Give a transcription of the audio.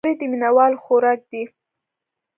پکورې د مینهوالو خوراک دی